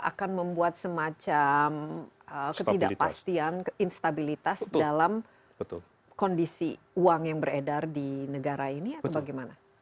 akan membuat semacam ketidakpastian instabilitas dalam kondisi uang yang beredar di negara ini atau bagaimana